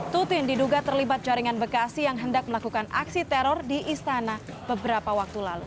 tutin diduga terlibat jaringan bekasi yang hendak melakukan aksi teror di istana beberapa waktu lalu